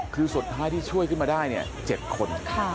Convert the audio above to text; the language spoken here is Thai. คือสุดท้ายที่ช่วยขึ้นมาได้เนี่ย๗คน